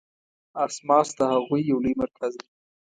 اسماس د هغوی یو لوی مرکز دی.